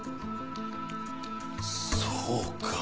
そうか。